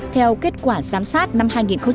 theo kết quả giám sát năm hai nghìn một mươi chín